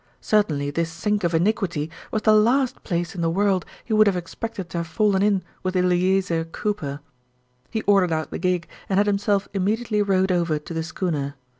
Certainly this sink of iniquity was the last place in the world he would have expected to have fallen in with Eleazer Cooper. He ordered out the gig and had himself immediately rowed over to the schooner.